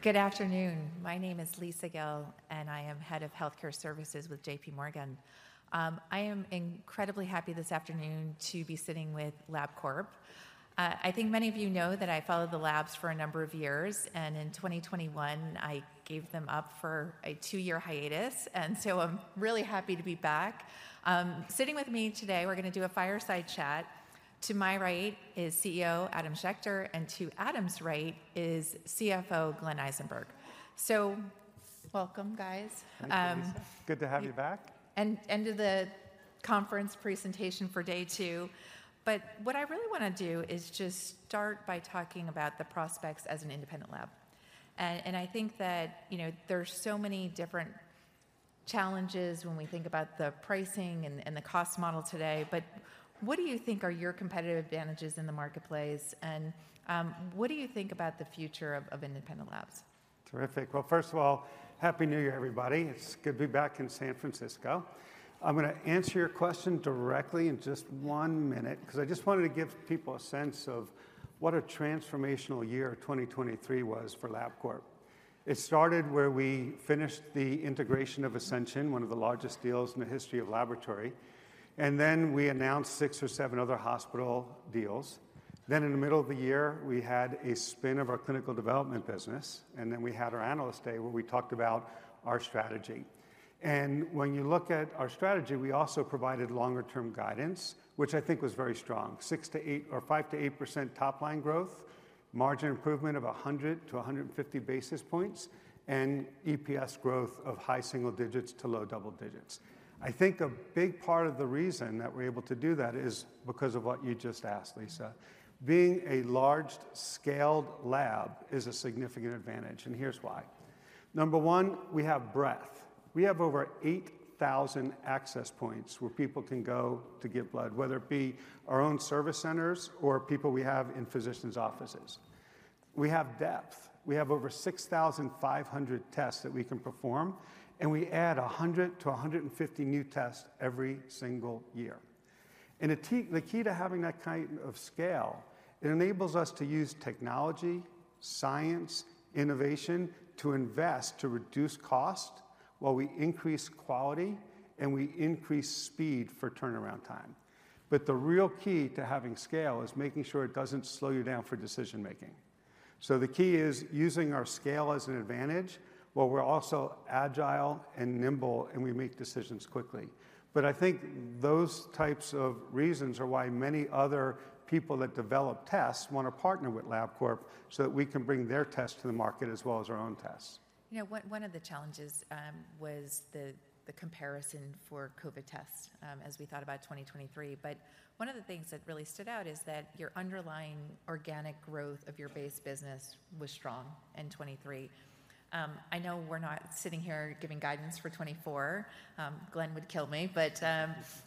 Good afternoon. My name is Lisa Gill, and I am Head of Healthcare Services with J.P. Morgan. I am incredibly happy this afternoon to be sitting with Labcorp. I think many of you know that I followed the labs for a number of years, and in 2021, I gave them up for a two-year hiatus, and so I'm really happy to be back. Sitting with me today, we're gonna do a fireside chat. To my right is CEO Adam Schechter, and to Adam's right is CFO Glenn Eisenberg. So welcome, guys. Thank you, Lisa. Good to have you back. And end of the conference presentation for day two, but what I really want to do is just start by talking about the prospects as an independent lab. And I think that, you know, there are so many different challenges when we think about the pricing and the cost model today, but what do you think are your competitive advantages in the marketplace? And what do you think about the future of independent labs? Terrific. Well, first of all, happy New Year, everybody. It's good to be back in San Francisco. I'm gonna answer your question directly in just one minute, 'cause I just wanted to give people a sense of what a transformational year 2023 was for Labcorp. It started where we finished the integration of Ascension, one of the largest deals in the history of laboratory, and then we announced six or seven other hospital deals. Then in the middle of the year, we had a spin of our clinical development business, and then we had our Analyst Day, where we talked about our strategy. When you look at our strategy, we also provided longer-term guidance, which I think was very strong, 6%-8% or 5%-8% top-line growth, margin improvement of 100-150 basis points, and EPS growth of high single digits to low double digits. I think a big part of the reason that we're able to do that is because of what you just asked, Lisa. Being a large-scaled lab is a significant advantage, and here's why. Number one, we have breadth. We have over 8,000 access points where people can go to give blood, whether it be our own service centers or people we have in physicians' offices. We have depth. We have over 6,500 tests that we can perform, and we add 100-150 new tests every single year. The key, the key to having that kind of scale, it enables us to use technology, science, innovation, to invest, to reduce cost while we increase quality and we increase speed for turnaround time. The real key to having scale is making sure it doesn't slow you down for decision making. The key is using our scale as an advantage, but we're also agile and nimble, and we make decisions quickly. I think those types of reasons are why many other people that develop tests want to partner with Labcorp, so that we can bring their tests to the market as well as our own tests. You know, one of the challenges was the comparison for COVID tests as we thought about 2023. But one of the things that really stood out is that your underlying organic growth of your base business was strong in 2023. I know we're not sitting here giving guidance for 2024; Glenn would kill me. But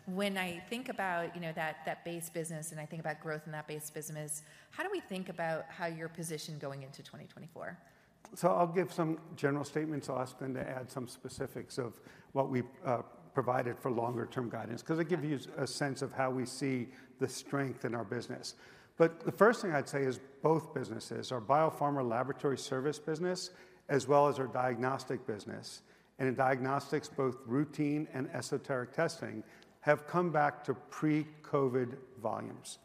when I think about, you know, that base business and I think about growth in that base business, how do we think about how your position going into 2024? So I'll give some general statements, I'll ask Glenn to add some specifics of what we've provided for longer-term guidance. Yeah Because it gives you a sense of how we see the strength in our business. But the first thing I'd say is both businesses, our biopharma laboratory service business, as well as our diagnostic business, and in diagnostics, both routine and esoteric testing, have come back to pre-COVID volumes.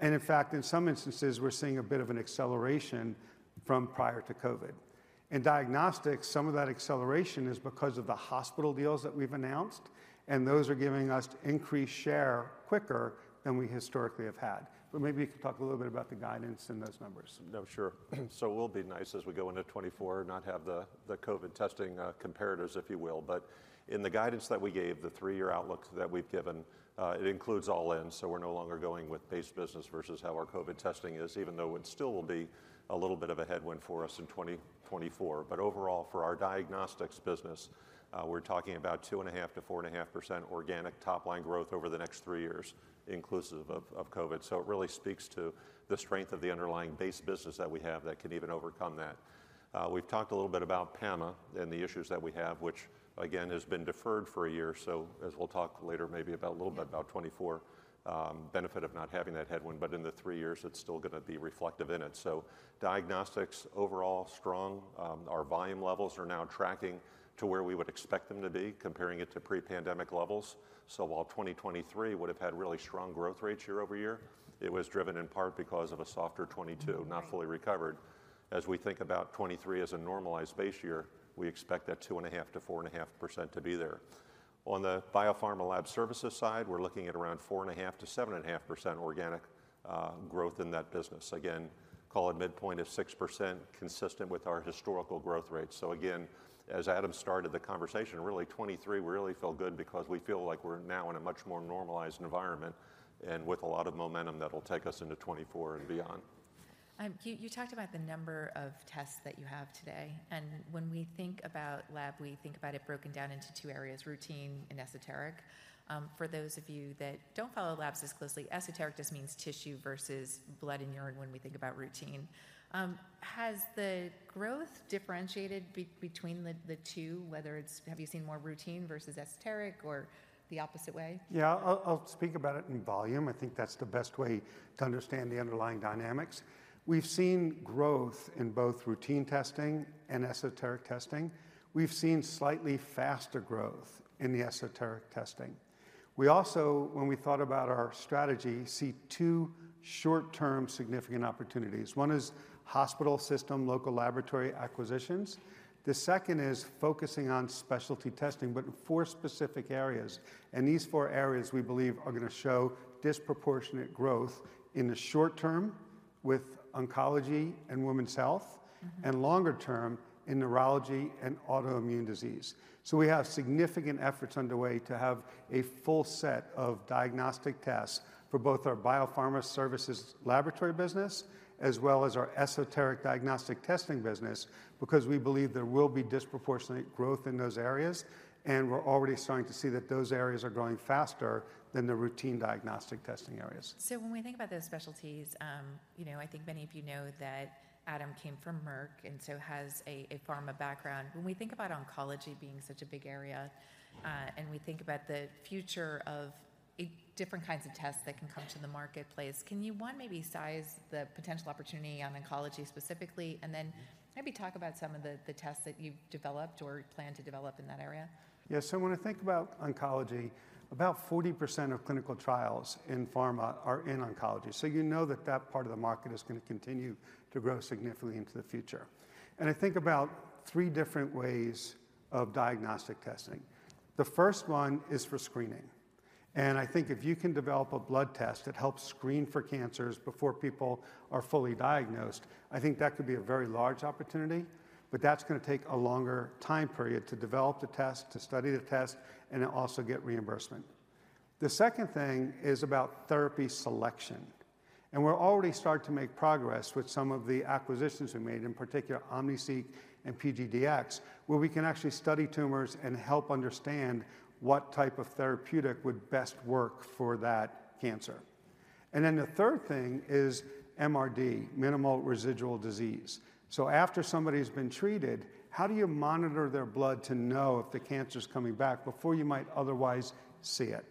And in fact, in some instances, we're seeing a bit of an acceleration from prior to COVID. In diagnostics, some of that acceleration is because of the hospital deals that we've announced, and those are giving us increased share quicker than we historically have had. But maybe you could talk a little bit about the guidance in those numbers. No, sure. So it will be nice as we go into 2024, not have the, the COVID testing comparatives, if you will. But in the guidance that we gave, the three-year outlook that we've given, it includes all in, so we're no longer going with base business versus how our COVID testing is, even though it still will be a little bit of a headwind for us in 2024. But overall, for our diagnostics business, we're talking about 2.5%-4.5% organic top-line growth over the next three years, inclusive of, of COVID. So it really speaks to the strength of the underlying base business that we have that can even overcome that. We've talked a little bit about PAMA and the issues that we have, which again, has been deferred for a year. So, as we'll talk later, maybe about a little bit about 2024, benefit of not having that headwind, but in the three years, it's still gonna be reflective in it. So diagnostics, overall strong. Our volume levels are now tracking to where we would expect them to be, comparing it to pre-pandemic levels. So while 2023 would have had really strong growth rates year-over-year, it was driven in part because of a softer 2022- Right Not fully recovered. As we think about 2023 as a normalized base year, we expect that 2.5%-4.5% to be there. On the biopharma lab services side, we're looking at around 4.5%-7.5% organic growth in that business. Again, call it midpoint of 6%, consistent with our historical growth rate. So again, as Adam started the conversation, really 2023, we really feel good because we feel like we're now in a much more normalized environment and with a lot of momentum that will take us into 2024 and beyond. You talked about the number of tests that you have today, and when we think about lab, we think about it broken down into two areas, routine and esoteric. For those of you that don't follow labs as closely, esoteric just means tissue versus blood and urine when we think about routine. Has the growth differentiated between the two, whether it's have you seen more routine versus esoteric or the opposite way? Yeah, I'll, I'll speak about it in volume. I think that's the best way to understand the underlying dynamics. We've seen growth in both routine testing and esoteric testing. We've seen slightly faster growth in the esoteric testing. We also, when we thought about our strategy, see two short-term significant opportunities. One is hospital system, local laboratory acquisitions. The second is focusing on specialty testing, but in four specific areas, and these four areas we believe are going to show disproportionate growth in the short term with oncology and women's health. Mm-hmm. Longer term in neurology and autoimmune disease. So we have significant efforts underway to have a full set of diagnostic tests for both our biopharma services laboratory business, as well as our esoteric diagnostic testing business, because we believe there will be disproportionate growth in those areas, and we're already starting to see that those areas are growing faster than the routine diagnostic testing areas. So when we think about those specialties, you know, I think many of you know that Adam came from Merck, and so has a pharma background. When we think about oncology being such a big area, and we think about the future of different kinds of tests that can come to the marketplace, can you, one, maybe size the potential opportunity on oncology specifically, and then maybe talk about some of the tests that you've developed or plan to develop in that area? Yeah. So when I think about oncology, about 40% of clinical trials in pharma are in oncology, so you know that that part of the market is going to continue to grow significantly into the future. And I think about three different ways of diagnostic testing. The first one is for screening, and I think if you can develop a blood test that helps screen for cancers before people are fully diagnosed, I think that could be a very large opportunity, but that's going to take a longer time period to develop the test, to study the test, and to also get reimbursement. The second thing is about therapy selection, and we're already starting to make progress with some of the acquisitions we made, in particular OmniSeq and PGDx, where we can actually study tumors and help understand what type of therapeutic would best work for that cancer. Then the third thing is MRD, minimal residual disease. So after somebody has been treated, how do you monitor their blood to know if the cancer's coming back before you might otherwise see it?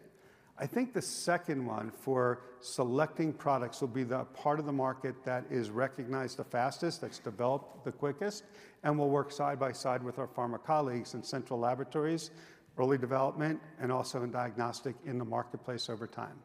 I think the second one for selecting products will be the part of the market that is recognized the fastest, that's developed the quickest, and will work side by side with our pharma colleagues in central laboratories, early development, and also in diagnostic in the marketplace over time.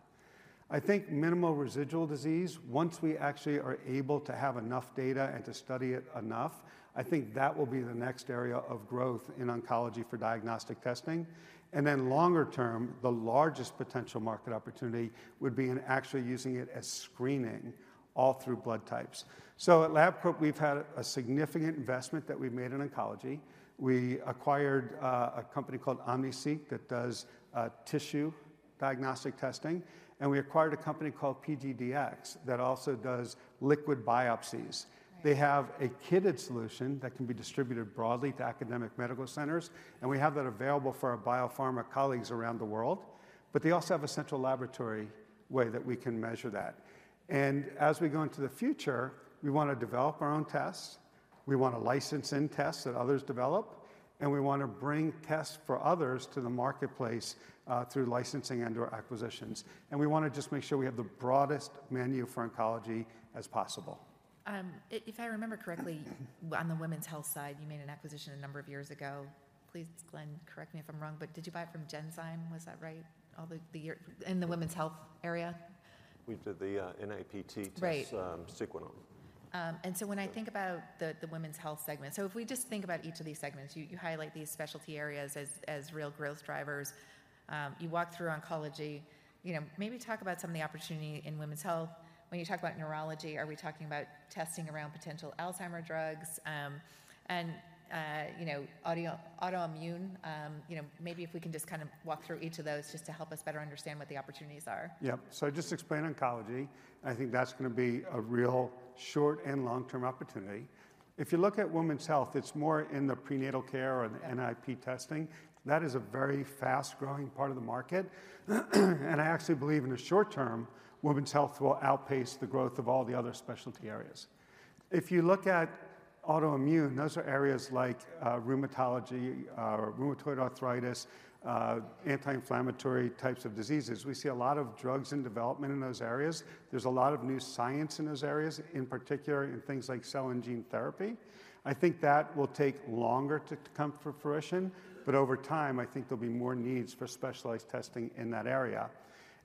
I think minimal residual disease, once we actually are able to have enough data and to study it enough, I think that will be the next area of growth in oncology for diagnostic testing. And then longer term, the largest potential market opportunity would be in actually using it as screening all through blood types. So at Labcorp, we've had a significant investment that we've made in oncology. We acquired a company called OmniSeq that does tissue diagnostic testing, and we acquired a company called PGDx that also does liquid biopsies. Right. They have a kitted solution that can be distributed broadly to academic medical centers, and we have that available for our biopharma colleagues around the world, but they also have a central laboratory way that we can measure that. As we go into the future, we want to develop our own tests, we want to license in tests that others develop, and we want to bring tests for others to the marketplace, through licensing and/or acquisitions. We want to just make sure we have the broadest menu for oncology as possible. If I remember correctly, on the women's health side, you made an acquisition a number of years ago. Please, Glenn, correct me if I'm wrong, but did you buy it from Genzyme? Was that right? In the women's health area. We did the NIPT test- Right Sequenom. So when I think about the women's health segment, if we just think about each of these segments, you highlight these specialty areas as real growth drivers. You walk through oncology. You know, maybe talk about some of the opportunity in women's health. When you talk about neurology, are we talking about testing around potential Alzheimer's drugs? And you know, autoimmune, you know, maybe if we can just kind of walk through each of those just to help us better understand what the opportunities are. Yeah. So I just explained oncology, and I think that's going to be a real short- and long-term opportunity. If you look at women's health, it's more in the prenatal care or the NIPT testing. That is a very fast-growing part of the market, and I actually believe in the short term, women's health will outpace the growth of all the other specialty areas. If you look at autoimmune, those are areas like rheumatology, rheumatoid arthritis, anti-inflammatory types of diseases. We see a lot of drugs in development in those areas. There's a lot of new science in those areas, in particular in things like cell and gene Therapy. I think that will take longer to come to fruition, but over time, I think there'll be more needs for specialized testing in that area.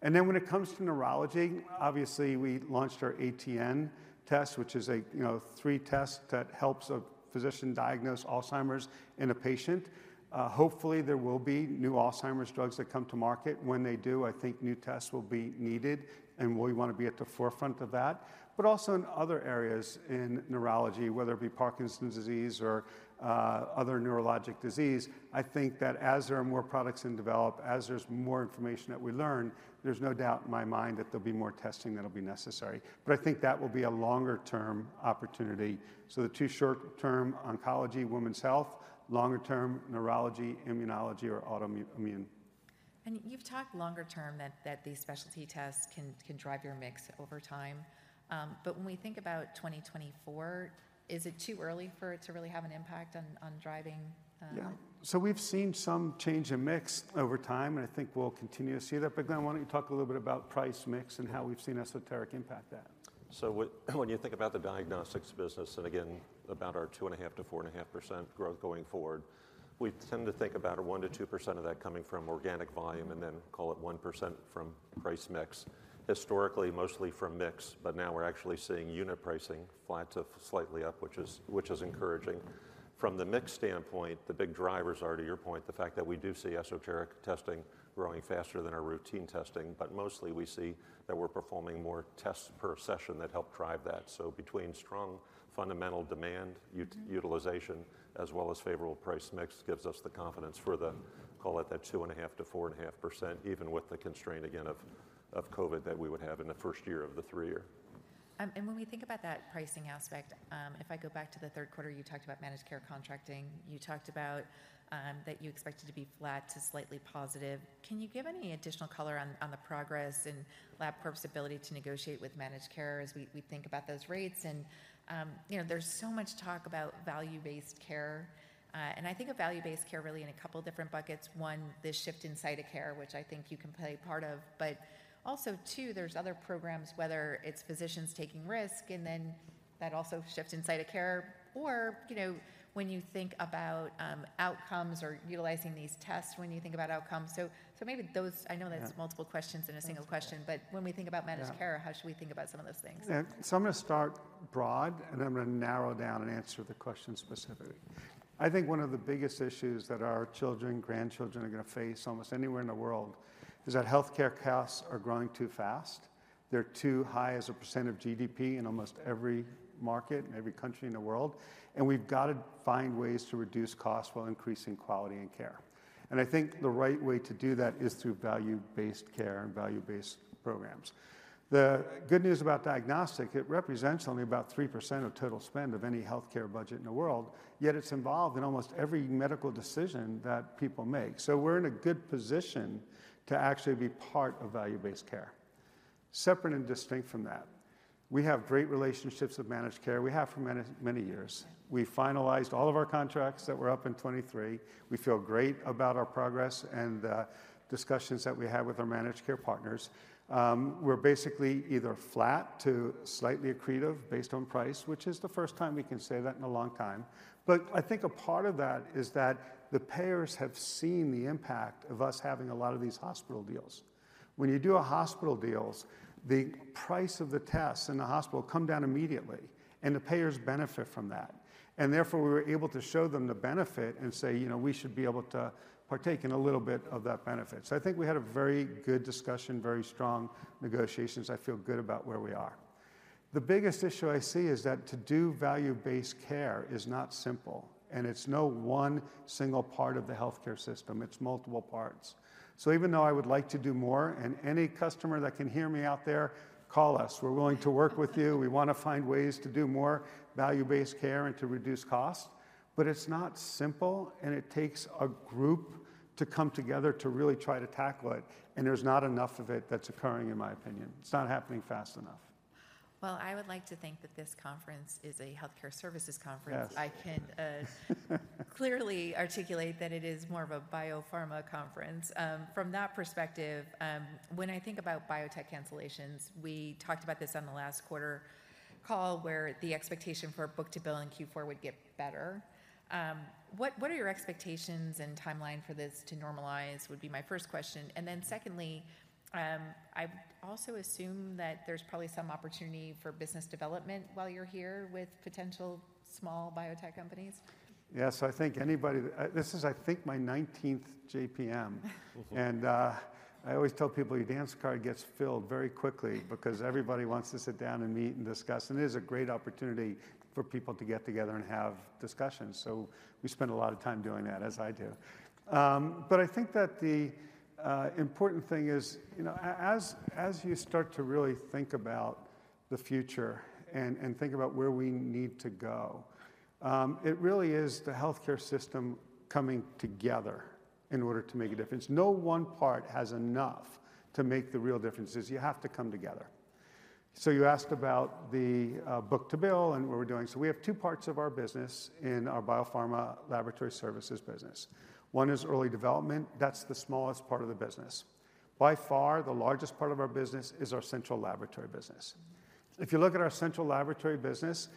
And then when it comes to neurology, obviously, we launched our ATN test, which is a, you know, three tests that helps a physician diagnose Alzheimer's in a patient. Hopefully, there will be new Alzheimer's drugs that come to market. When they do, I think new tests will be needed, and we want to be at the forefront of that. But also in other areas in neurology, whether it be Parkinson's disease or other neurologic disease, I think that as there are more products in develop, as there's more information that we learn, there's no doubt in my mind that there'll be more testing that'll be necessary. But I think that will be a longer-term opportunity. So the two short term, oncology, women's health. Longer term, neurology, immunology, or autoimmune. You've talked longer term that these specialty tests can drive your mix over time. But when we think about 2024, is it too early for it to really have an impact on driving? Yeah. So, we've seen some change in mix over time, and I think we'll continue to see that. But Glenn, why don't you talk a little bit about price mix and how we've seen esoteric impact that? So, when you think about the diagnostics business, and again, about our 2.5%-4.5% growth going forward, we tend to think about a 1%-2% of that coming from organic volume, and then call it 1% from price mix. Historically, mostly from mix, but now we're actually seeing unit pricing flat to slightly up, which is encouraging. From the mix standpoint, the big drivers are, to your point, the fact that we do see esoteric testing growing faster than our routine testing, but mostly we see that we're performing more tests per session that help drive that. So, between strong fundamental demand utilization, as well as favorable price mix, gives us the confidence for the, call it that 2.5%-4.5%, even with the constraint, again, of COVID that we would have in the first year of the three year. And when we think about that pricing aspect, if I go back to the third quarter, you talked about managed care contracting. You talked about that you expected to be flat to slightly positive. Can you give any additional color on the progress and Labcorp's ability to negotiate with managed care as we think about those rates? And you know, there's so much talk about value-based care, and I think of value-based care really in a couple different buckets. One, the shift in site of care, which I think you can play a part of, but also, two, there's other programs, whether it's physicians taking risk, and then that also shifts in site of care, or you know, when you think about outcomes or utilizing these tests when you think about outcomes. So maybe those- Yeah. I know that's multiple questions in a single question. That's okay. But when we think about managed care- Yeah How should we think about some of those things? Yeah. So, I'm gonna start broad, and then I'm gonna narrow down and answer the question specifically. I think one of the biggest issues that our children, grandchildren are gonna face almost anywhere in the world is that healthcare costs are growing too fast. They're too high as a percent of GDP in almost every market, in every country in the world, and we've got to find ways to reduce costs while increasing quality and care. And I think the right way to do that is through value-based care and value-based programs. The good news about diagnostic, it represents only about 3% of total spend of any healthcare budget in the world, yet it's involved in almost every medical decision that people make. So, we're in a good position to actually be part of value-based care. Separate and distinct from that, we have great relationships with managed care. We have for many, many years. Yeah. We finalized all of our contracts that were up in 2023. We feel great about our progress and discussions that we had with our managed care partners. We're basically either flat to slightly accretive based on price, which is the first time we can say that in a long time. But I think a part of that is that the payers have seen the impact of us having a lot of these hospital deals. When you do a hospital deals, the price of the tests in the hospital come down immediately, and the payers benefit from that. And therefore, we were able to show them the benefit and say: "You know, we should be able to partake in a little bit of that benefit." So I think we had a very good discussion, very strong negotiations. I feel good about where we are. The biggest issue I see is that to do value-based care is not simple, and it's no one single part of the healthcare system, it's multiple parts. So even though I would like to do more, and any customer that can hear me out there, call us. We're willing to work with you. We wanna find ways to do more value-based care and to reduce costs, but it's not simple, and it takes a group to come together to really try to tackle it, and there's not enough of it that's occurring, in my opinion. It's not happening fast enough. Well, I would like to think that this conference is a healthcare services conference. Yes. I can clearly articulate that it is more of a biopharma conference. From that perspective, when I think about biotech cancellations, we talked about this on the last quarter call, where the expectation for book-to-bill in Q4 would get better. What, what are your expectations and timeline for this to normalize, would be my first question. And then secondly, I also assume that there's probably some opportunity for business development while you're here with potential small biotech companies. Yeah. So I think anybody, this is, I think, my 19th JPM. And, I always tell people, your dance card gets filled very quickly because everybody wants to sit down and meet and discuss, and it is a great opportunity for people to get together and have discussions. So we spend a lot of time doing that, as I do. But I think that the important thing is, you know, as you start to really think about the future and think about where we need to go, it really is the healthcare system coming together in order to make a difference. No one part has enough to make the real differences. You have to come together. So you asked about the book-to-bill and what we're doing. So we have two parts of our business in our biopharma laboratory services business. One is early development. That's the smallest part of the business. By far, the largest part of our business is our central laboratory business. If you look at our central laboratory business,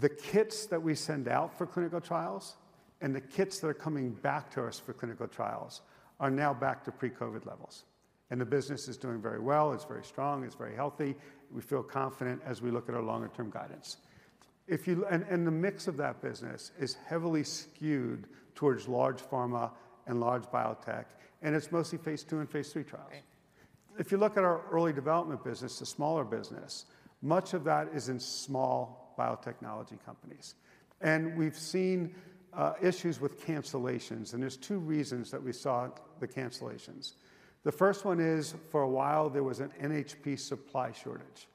the kits that we send out for clinical trials and the kits that are coming back to us for clinical trials are now back to pre-COVID levels, and the business is doing very well, it's very strong, it's very healthy. We feel confident as we look at our longer-term guidance. And the mix of that business is heavily skewed towards large pharma and large biotech, and it's mostly Phase II and Phase III trials. Right. If you look at our early development business, the smaller business, much of that is in small biotechnology companies. And we've seen issues with cancellations, and there's two reasons that we saw the cancellations. The first one is, for a while, there was an NHP supply shortage...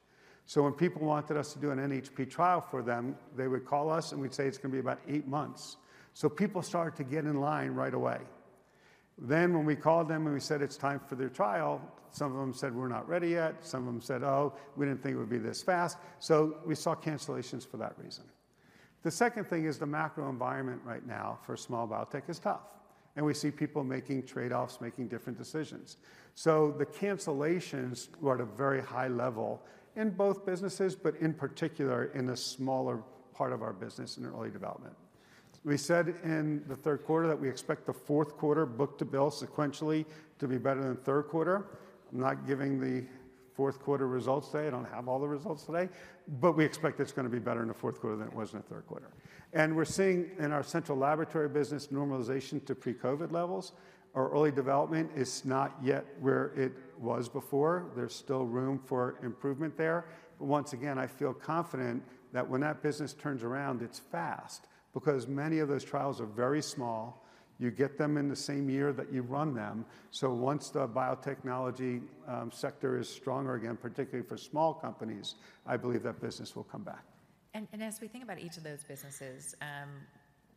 So when people wanted us to do an NHP trial for them, they would call us, and we'd say, "It's going to be about eight months." So people started to get in line right away. Then when we called them and we said it's time for their trial, some of them said, "We're not ready yet." Some of them said, "Oh, we didn't think it would be this fast." So we saw cancellations for that reason. The second thing is the macro environment right now for small biotech is tough, and we see people making trade-offs, making different decisions. The cancellations were at a very high level in both businesses, but in particular in the smaller part of our business, in early development. We said in the third quarter that we expect the fourth quarter book-to-bill sequentially to be better than third quarter. I'm not giving the fourth quarter results today. I don't have all the results today, but we expect it's going to be better in the fourth quarter than it was in the third quarter. We're seeing in our central laboratory business, normalization to pre-COVID levels. Our early development is not yet where it was before. There's still room for improvement there. Once again, I feel confident that when that business turns around, it's fast because many of those trials are very small. You get them in the same year that you run them. Once the biotechnology sector is stronger again, particularly for small companies, I believe that business will come back. And as we think about each of those businesses,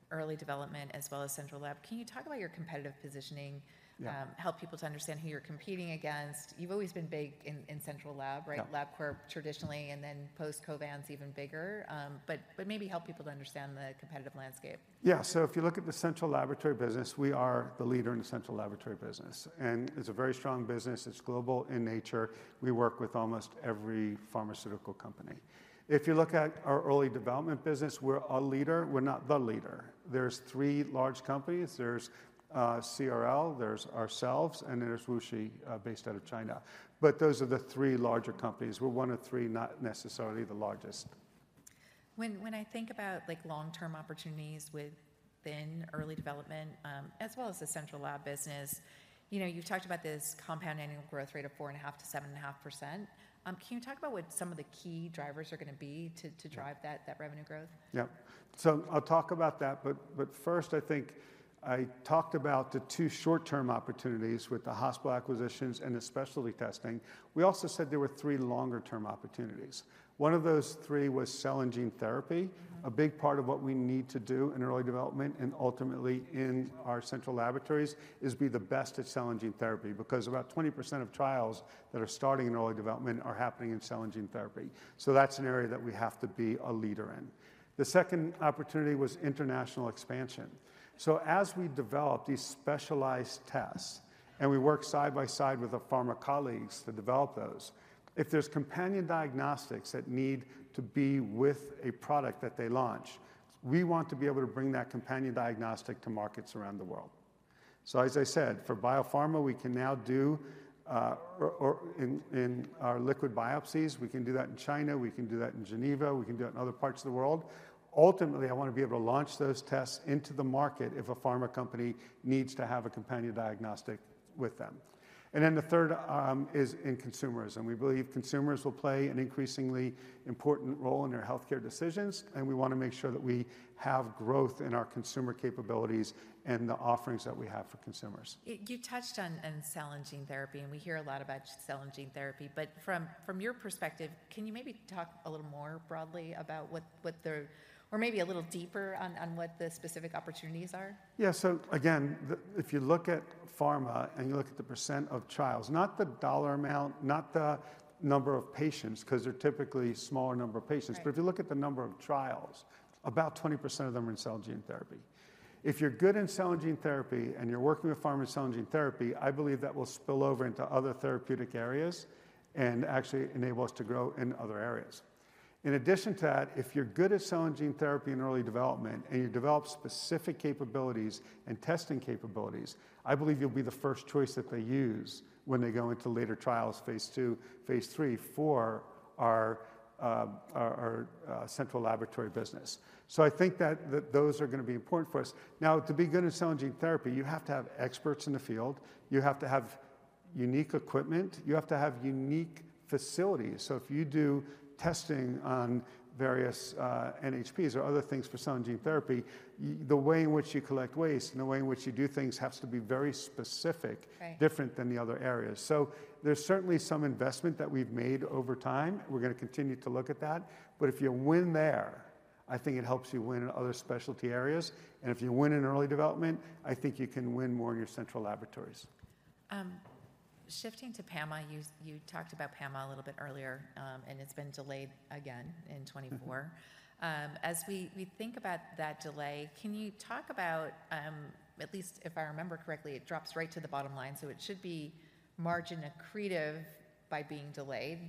early development as well as central lab, can you talk about your competitive positioning? Yeah. Help people to understand who you're competing against? You've always been big in, in central lab, right? Yeah. Labcorp traditionally, and then post-Covance, even bigger. But maybe help people to understand the competitive landscape. Yeah. So if you look at the central laboratory business, we are the leader in the central laboratory business, and it's a very strong business. It's global in nature. We work with almost every pharmaceutical company. If you look at our early development business, we're a leader. We're not the leader. There's three large companies: there's CRL, there's ourselves, and there's WuXi based out of China. But those are the three larger companies. We're one of three, not necessarily the largest. When I think about, like, long-term opportunities within early development, as well as the central lab business, you know, you've talked about this compound annual growth rate of 4.5%-7.5%. Can you talk about what some of the key drivers are going to be to drive- Yeah... that revenue growth? Yeah. So I'll talk about that, but first, I think I talked about the two short-term opportunities with the hospital acquisitions and the specialty testing. We also said there were three longer-term opportunities. One of those three was cell and gene therapy. Mm-hmm. A big part of what we need to do in early development and ultimately in our central laboratories, is be the best at cell and gene therapy because about 20% of trials that are starting in early development are happening in cell and gene therapy. So that's an area that we have to be a leader in. The second opportunity was international expansion. So as we develop these specialized tests and we work side by side with the pharma colleagues to develop those, if there's companion diagnostics that need to be with a product that they launch, we want to be able to bring that companion diagnostic to markets around the world. So as I said, for biopharma, we can now do our liquid biopsies in China, we can do that in Geneva, we can do it in other parts of the world. Ultimately, I want to be able to launch those tests into the market if a pharma company needs to have a companion diagnostic with them. And then the third is in consumers, and we believe consumers will play an increasingly important role in their healthcare decisions, and we want to make sure that we have growth in our consumer capabilities and the offerings that we have for consumers. You touched on cell and gene therapy, and we hear a lot about cell and gene therapy, but from your perspective, can you maybe talk a little more broadly about what the or maybe a little deeper on what the specific opportunities are? Yeah. So again, if you look at pharma and you look at the percent of trials, not the dollar amount, not the number of patients, 'cause they're typically smaller number of patients- Right... but if you look at the number of trials, about 20% of them are in cell and gene therapy. If you're good in cell and gene therapy, and you're working with pharma cell and gene therapy, I believe that will spill over into other therapeutic areas and actually enable us to grow in other areas. In addition to that, if you're good at cell and gene therapy and early development, and you develop specific capabilities and testing capabilities, I believe you'll be the first choice that they use when they go into later trials, Phase II, Phase III, for our central laboratory business. So I think that, that those are going to be important for us. Now, to be good in cell and gene therapy, you have to have experts in the field. You have to have unique equipment. You have to have unique facilities. So if you do testing on various, NHPs or other things for cell and gene Therapy, the way in which you collect waste and the way in which you do things has to be very specific- Right... different than the other areas. So there's certainly some investment that we've made over time. We're going to continue to look at that. But if you win there, I think it helps you win in other specialty areas. And if you win in early development, I think you can win more in your central laboratories. Shifting to PAMA, you talked about PAMA a little bit earlier, and it's been delayed again in 2024. Mm-hmm. As we think about that delay, can you talk about, at least if I remember correctly, it drops right to the bottom line, so it should be margin accretive by being delayed.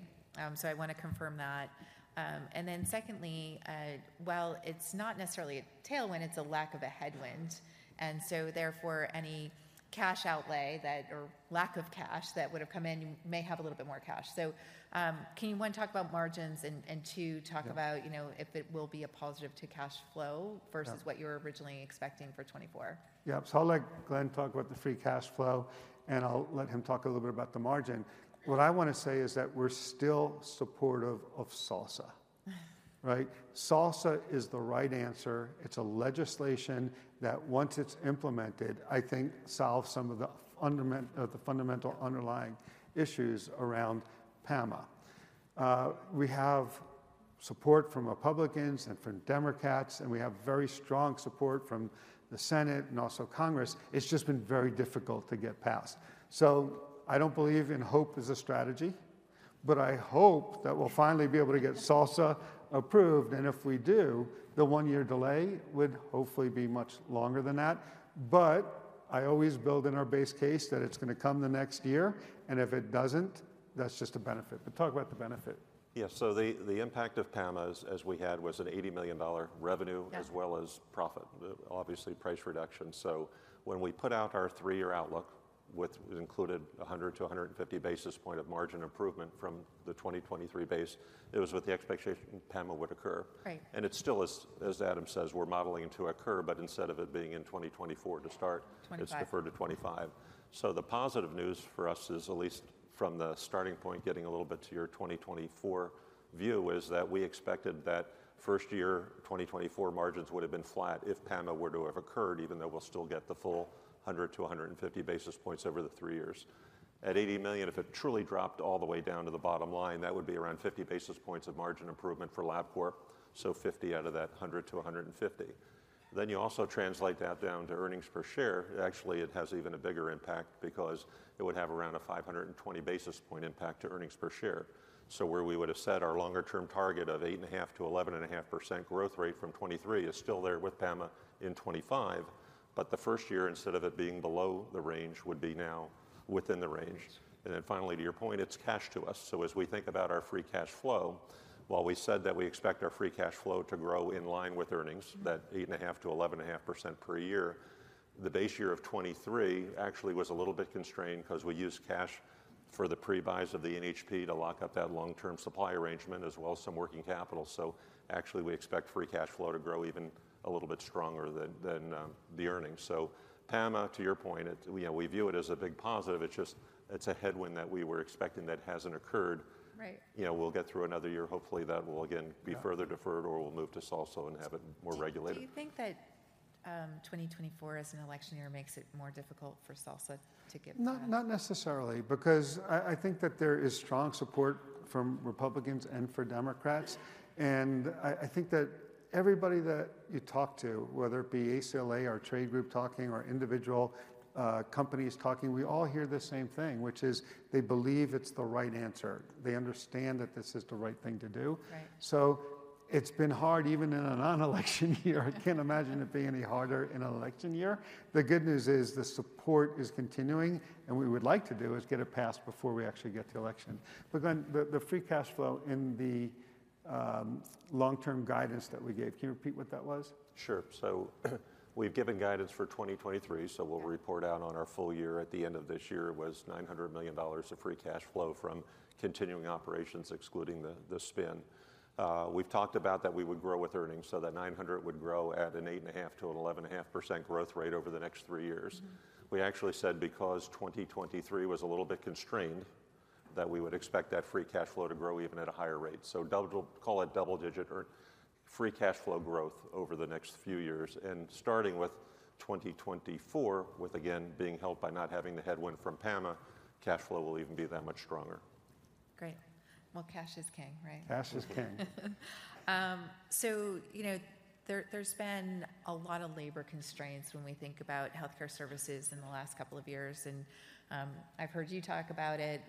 So I want to confirm that. And then secondly, while it's not necessarily a tailwind, it's a lack of a headwind, and so therefore, any cash outlay that... or lack of cash that would have come in, you may have a little bit more cash. So, can you, one, talk about margins and two- Yeah... talk about, you know, if it will be a positive to cash flow- Yeah... versus what you were originally expecting for 2024? Yeah. So I'll let Glenn talk about the free cash flow, and I'll let him talk a little bit about the margin. What I want to say is that we're still supportive of SALSA.... Right? SALSA is the right answer. It's a legislation that, once it's implemented, I think solves some of the fundamental underlying issues around PAMA. We have support from Republicans and from Democrats, and we have very strong support from the Senate and also Congress. It's just been very difficult to get passed. So I don't believe in hope as a strategy, but I hope that we'll finally be able to get SALSA approved, and if we do, the one-year delay would hopefully be much longer than that. But I always build in our base case that it's gonna come the next year, and if it doesn't, that's just a benefit. But talk about the benefit. Yes, so the impact of PAMA as we had was an $80 million revenue- Yeah as well as profit. Obviously, price reduction. So when we put out our three-year outlook, it included 100-150 basis points of margin improvement from the 2023 base, it was with the expectation PAMA would occur. Right. It still is, as Adam says, we're modeling it to occur, but instead of it being in 2024 to start- 2025... it's deferred to 2025. So the positive news for us is, at least from the starting point, getting a little bit to your 2024 view, is that we expected that first year, 2024 margins would have been flat if PAMA were to have occurred, even though we'll still get the full 100-150 basis points over the three years. At $80 million, if it truly dropped all the way down to the bottom line, that would be around 50 basis points of margin improvement for Labcorp, so 50 out of that 100-150. Then you also translate that down to earnings per share. Actually, it has even a bigger impact because it would have around a 520 basis point impact to earnings per share. So where we would have set our longer-term target of 8.5%-11.5% growth rate from 2023 is still there with PAMA in 2025, but the first year, instead of it being below the range, would be now within the range. And then finally, to your point, it's cash to us. So as we think about our free cash flow, while we said that we expect our free cash flow to grow in line with earnings- Mm-hmm... that 8.5%-11.5% per year, the base year of 2023 actually was a little bit constrained because we used cash for the pre-buys of the NHP to lock up that long-term supply arrangement, as well as some working capital. So actually, we expect free cash flow to grow even a little bit stronger than the earnings. So PAMA, to your point, it, you know, we view it as a big positive. It's just, it's a headwind that we were expecting that hasn't occurred. Right. You know, we'll get through another year. Hopefully, that will again be further deferred, or we'll move to SALSA and have it more regulated. Do you think that 2024 as an election year makes it more difficult for SALSA to get passed? Not necessarily, because I think that there is strong support from Republicans and for Democrats. I think that everybody that you talk to, whether it be ACLA, our trade group talking or individual companies talking, we all hear the same thing, which is they believe it's the right answer. They understand that this is the right thing to do. Right. It's been hard, even in a non-election year. I can't imagine it being any harder in an election year. The good news is the support is continuing, and what we would like to do is get it passed before we actually get to the election. But then the free cash flow in the long-term guidance that we gave, can you repeat what that was? Sure. So we've given guidance for 2023, so we'll report out on our full year at the end of this year. It was $900 million of free cash flow from continuing operations, excluding the spin. We've talked about that we would grow with earnings, so that $900 million would grow at an 8.5%-11.5% growth rate over the next three years. Mm-hmm. We actually said, because 2023 was a little bit constrained, that we would expect that free cash flow to grow even at a higher rate. So double, call it double-digit free cash flow growth over the next few years. And starting with 2024, with again, being helped by not having the headwind from PAMA, cash flow will even be that much stronger. Great. Well, cash is king, right? Cash is king. So, you know, there's been a lot of labor constraints when we think about healthcare services in the last couple of years, and I've heard you talk about it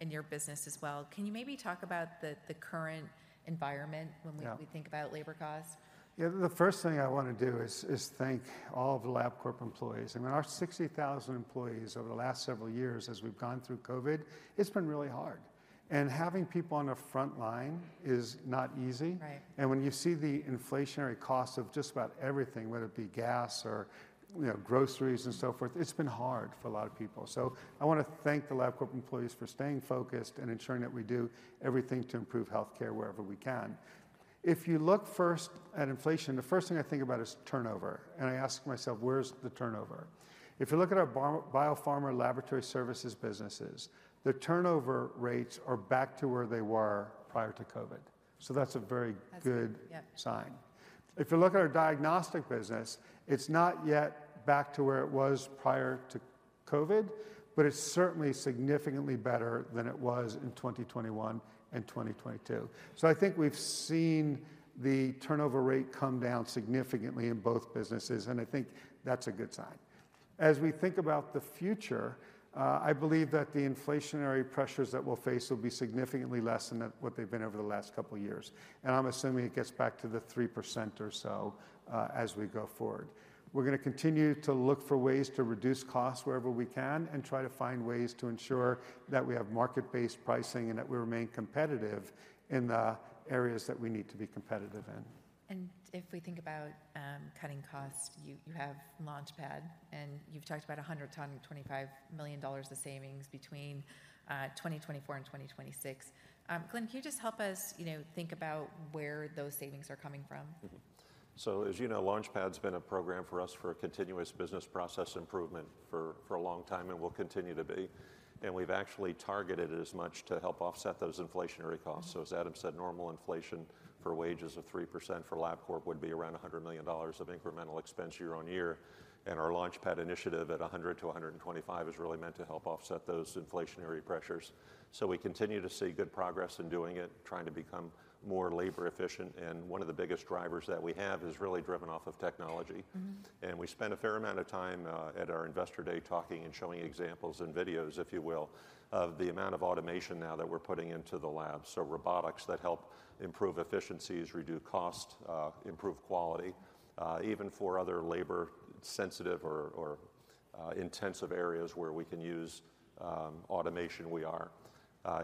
in your business as well. Can you maybe talk about the current environment when we- Yeah... we think about labor costs? Yeah. The first thing I want to do is, is thank all of the Labcorp employees. I mean, our 60,000 employees over the last several years, as we've gone through COVID, it's been really hard. And having people on the front line is not easy. Right. When you see the inflationary cost of just about everything, whether it be gas or, you know, groceries and so forth, it's been hard for a lot of people. I want to thank the Labcorp employees for staying focused and ensuring that we do everything to improve healthcare wherever we can. If you look first at inflation, the first thing I think about is turnover. Right. I ask myself: Where's the turnover? If you look at our biopharma laboratory services businesses, the turnover rates are back to where they were prior to COVID, so that's a very good- That's good, yeah.... sign. If you look at our diagnostic business, it's not yet back to where it was prior to COVID, but it's certainly significantly better than it was in 2021 and 2022. So I think we've seen the turnover rate come down significantly in both businesses, and I think that's a good sign. As we think about the future, I believe that the inflationary pressures that we'll face will be significantly less than what they've been over the last couple of years, and I'm assuming it gets back to the 3% or so, as we go forward. We're gonna continue to look for ways to reduce costs wherever we can and try to find ways to ensure that we have market-based pricing and that we remain competitive in the areas that we need to be competitive in. If we think about cutting costs, you have LaunchPad and you've talked about $100 million-$125 million of savings between 2024 and 2026. Glenn, can you just help us, you know, think about where those savings are coming from? Mm-hmm. So, as you know, LaunchPad's been a program for us for a continuous business process improvement for a long time and will continue to be, and we've actually targeted it as much to help offset those inflationary costs. Mm-hmm. So as Adam said, normal inflation for wages of 3% for Labcorp would be around $100 million of incremental expense year on year, and our LaunchPad initiative at $100-$125 million is really meant to help offset those inflationary pressures. So we continue to see good progress in doing it, trying to become more labor efficient, and one of the biggest drivers that we have is really driven off of technology. Mm-hmm. We spent a fair amount of time at our Investor Day talking and showing examples and videos, if you will, of the amount of automation now that we're putting into the lab. So robotics that help improve efficiencies, reduce cost, improve quality, even for other labor-sensitive or intensive areas where we can use automation, we are.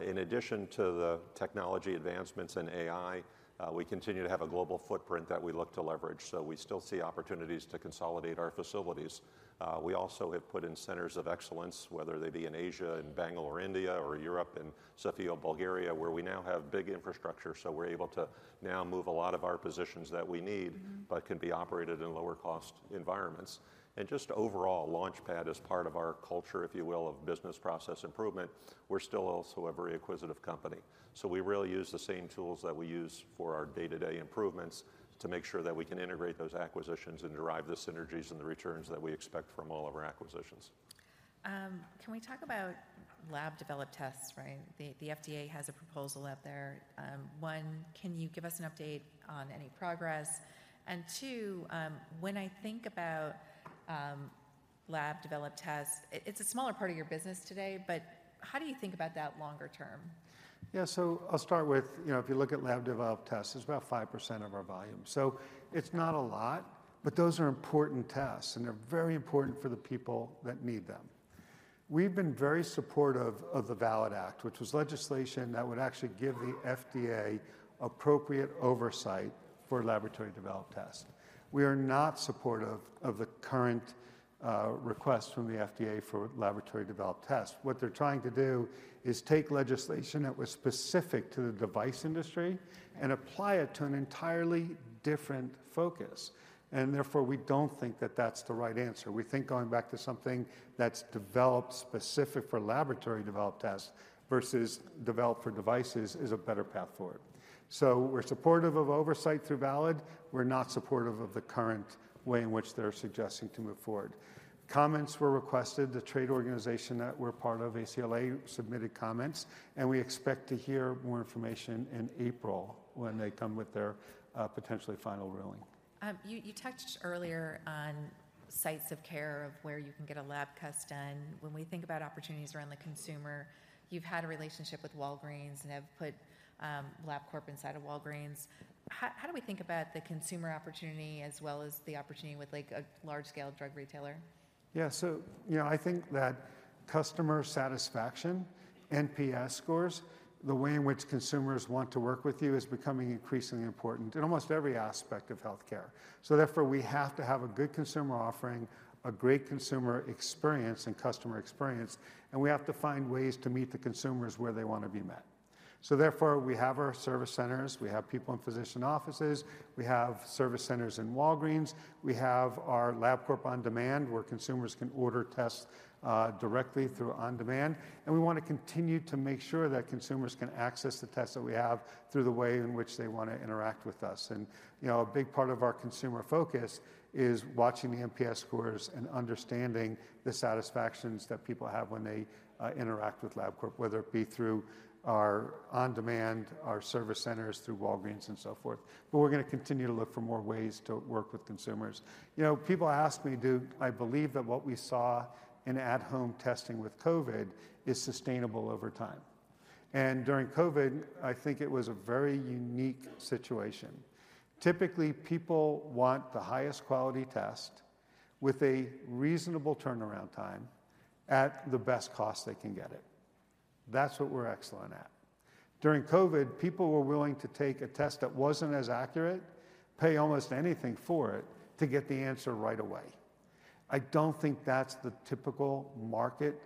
In addition to the technology advancements in AI, we continue to have a global footprint that we look to leverage, so we still see opportunities to consolidate our facilities. We also have put in centers of excellence, whether they be in Asia, in Bangalore, India, or Europe, in Sofia, Bulgaria, where we now have big infrastructure, so we're able to now move a lot of our positions that we need- Mm-hmm. But can be operated in lower cost environments. And just overall, LaunchPad is part of our culture, if you will, of business process improvement. We're still also a very acquisitive company. So we really use the same tools that we use for our day-to-day improvements to make sure that we can integrate those acquisitions and derive the synergies and the returns that we expect from all of our acquisitions. Can we talk about lab-developed tests, right? The FDA has a proposal out there. One, can you give us an update on any progress? And two, when I think about lab-developed tests, it's a smaller part of your business today, but how do you think about that longer term? Yeah, so I'll start with, you know, if you look at lab-developed tests, it's about 5% of our volume. So it's not a lot, but those are important tests, and they're very important for the people that need them. We've been very supportive of the VALID Act, which was legislation that would actually give the FDA appropriate oversight for laboratory-developed tests. We are not supportive of the current request from the FDA for laboratory-developed tests. What they're trying to do is take legislation that was specific to the device industry and apply it to an entirely different focus, and therefore, we don't think that that's the right answer. We think going back to something that's developed specific for laboratory-developed tests versus developed for devices is a better path forward. So we're supportive of oversight through VALID. We're not supportive of the current way in which they're suggesting to move forward. Comments were requested. The trade organization that we're part of, ACLA, submitted comments, and we expect to hear more information in April when they come with their potentially final ruling. You touched earlier on sites of care, of where you can get a lab test done. When we think about opportunities around the consumer, you've had a relationship with Walgreens and have put Labcorp inside of Walgreens. How do we think about the consumer opportunity as well as the opportunity with, like, a large-scale drug retailer? Yeah, so, you know, I think that customer satisfaction, NPS scores, the way in which consumers want to work with you, is becoming increasingly important in almost every aspect of healthcare. So therefore, we have to have a good consumer offering, a great consumer experience and customer experience, and we have to find ways to meet the consumers where they want to be met. So therefore, we have our service centers, we have people in physician offices, we have service centers in Walgreens, we have our Labcorp OnDemand, where consumers can order tests directly through On Demand, and we want to continue to make sure that consumers can access the tests that we have through the way in which they want to interact with us. You know, a big part of our consumer focus is watching the NPS scores and understanding the satisfactions that people have when they interact with Labcorp, whether it be through our On Demand, our service centers, through Walgreens, and so forth. But we're gonna continue to look for more ways to work with consumers. You know, people ask me, do I believe that what we saw in at-home testing with COVID is sustainable over time? And during COVID, I think it was a very unique situation. Typically, people want the highest quality test with a reasonable turnaround time at the best cost they can get it. That's what we're excellent at. During COVID, people were willing to take a test that wasn't as accurate, pay almost anything for it, to get the answer right away. I don't think that's the typical market.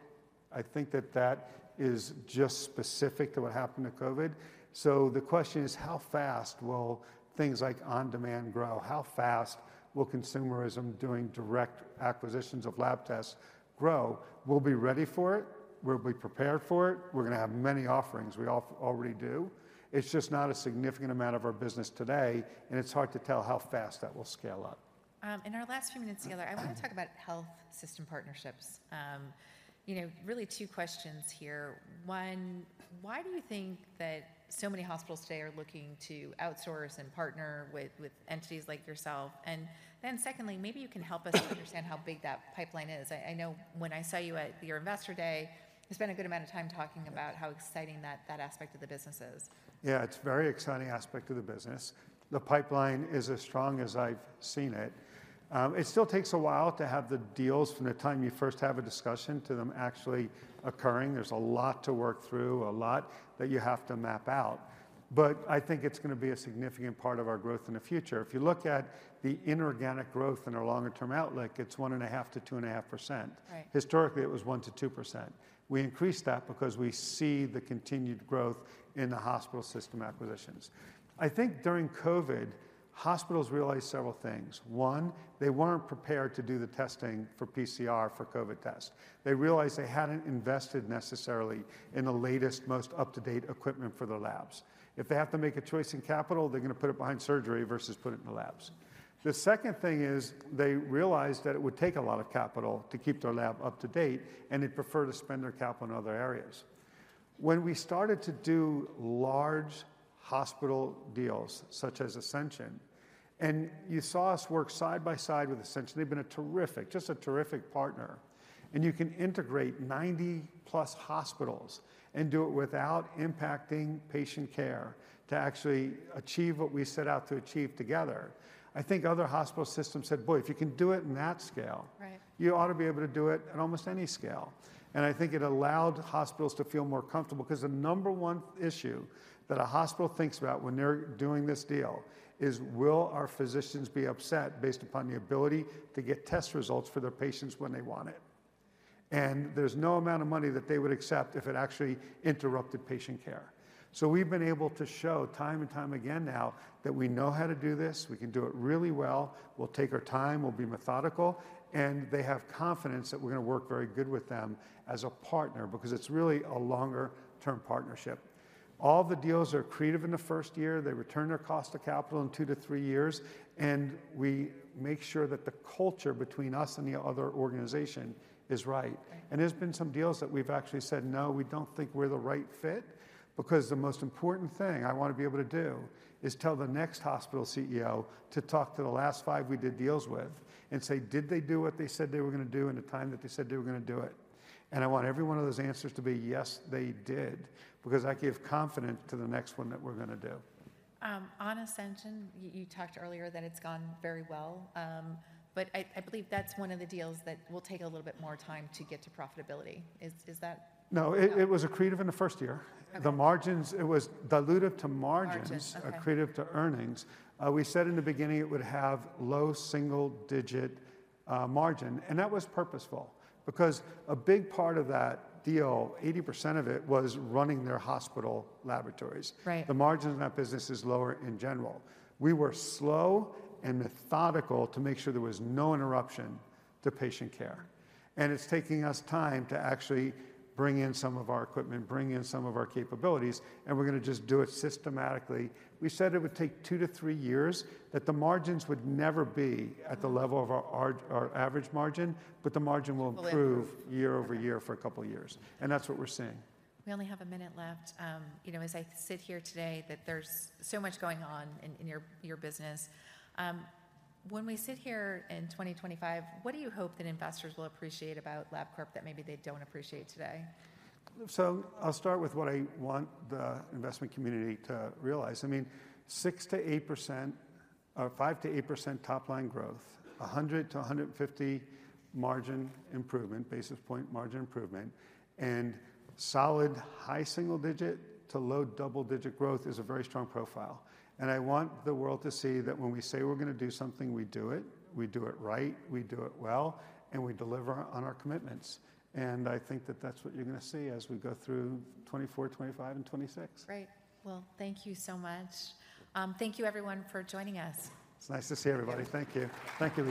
I think that that is just specific to what happened to COVID. So the question is, how fast will things like On Demand grow? How fast will consumerism, doing direct acquisitions of lab tests, grow? We'll be ready for it. We'll be prepared for it. We're gonna have many offerings. We already do. It's just not a significant amount of our business today, and it's hard to tell how fast that will scale up. In our last few minutes together- Mm-hmm. I want to talk about health system partnerships. You know, really two questions here. One, why do you think that so many hospitals today are looking to outsource and partner with entities like yourself? And then secondly, maybe you can help us understand how big that pipeline is. I know when I saw you at your Investor Day, you spent a good amount of time talking about how exciting that aspect of the business is. Yeah, it's a very exciting aspect of the business. The pipeline is as strong as I've seen it. It still takes a while to have the deals from the time you first have a discussion to them actually occurring. There's a lot to work through, a lot that you have to map out, but I think it's gonna be a significant part of our growth in the future. If you look at the inorganic growth in our longer-term outlook, it's 1.5%-2.5%. Right. Historically, it was 1%-2%. We increased that because we see the continued growth in the hospital system acquisitions. I think during COVID, hospitals realized several things. One, they weren't prepared to do the testing for PCR, for COVID tests. They realized they hadn't invested necessarily in the latest, most up-to-date equipment for their labs. If they have to make a choice in capital, they're gonna put it behind surgery versus put it in the labs. The second thing is, they realized that it would take a lot of capital to keep their lab up to date, and they'd prefer to spend their capital in other areas.... When we started to do large hospital deals, such as Ascension, and you saw us work side by side with Ascension. They've been a terrific, just a terrific partner, and you can integrate 90 + hospitals and do it without impacting patient care to actually achieve what we set out to achieve together. I think other hospital systems said, "Boy, if you can do it in that scale- Right. You ought to be able to do it at almost any scale." And I think it allowed hospitals to feel more comfortable, 'cause the number one issue that a hospital thinks about when they're doing this deal is: Will our physicians be upset based upon the ability to get test results for their patients when they want it? And there's no amount of money that they would accept if it actually interrupted patient care. So we've been able to show time and time again now that we know how to do this. We can do it really well. We'll take our time, we'll be methodical, and they have confidence that we're gonna work very good with them as a partner, because it's really a longer-term partnership. All the deals are accretive in the first year. They return their cost to capital in two-three years, and we make sure that the culture between us and the other organization is right. Right. There's been some deals that we've actually said, "No, we don't think we're the right fit," because the most important thing I want to be able to do is tell the next hospital CEO to talk to the last five we did deals with and say, "Did they do what they said they were gonna do in the time that they said they were gonna do it?" I want every one of those answers to be, "Yes, they did," because that gives confidence to the next one that we're gonna do. On Ascension, you talked earlier that it's gone very well. But I believe that's one of the deals that will take a little bit more time to get to profitability. Is that? No, it was accretive in the first year. Okay. The margins, it was dilutive to margins- Margins, okay. -accretive to earnings. We said in the beginning it would have low single-digit margin, and that was purposeful, because a big part of that deal, 80% of it, was running their hospital laboratories. Right. The margin in that business is lower in general. We were slow and methodical to make sure there was no interruption to patient care, and it's taking us time to actually bring in some of our equipment, bring in some of our capabilities, and we're gonna just do it systematically. We said it would take two-three years, that the margins would never be at the level of our average margin, but the margin will improve- Will improve. year-over-year for a couple of years, and that's what we're seeing. We only have a minute left. You know, as I sit here today, that there's so much going on in your business. When we sit here in 2025, what do you hope that investors will appreciate about Labcorp that maybe they don't appreciate today? So I'll start with what I want the investment community to realize. I mean, 6%-8%, or 5%-8% top-line growth, 100-150 margin improvement, basis point margin improvement, and solid high single-digit to low double-digit growth is a very strong profile. And I want the world to see that when we say we're gonna do something, we do it, we do it right, we do it well, and we deliver on our commitments. And I think that that's what you're gonna see as we go through 2024, 2025, and 2026. Great. Well, thank you so much. Thank you everyone for joining us. It's nice to see everybody. Thank you. Thank you.